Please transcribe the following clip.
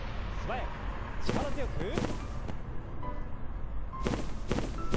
素早く力強く。